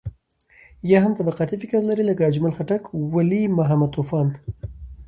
يا هم طبقاتي فکر لري لکه اجمل خټک، ولي محمد طوفان.